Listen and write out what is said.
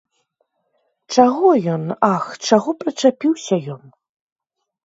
Чаго ён, ах, чаго прычапіўся ён!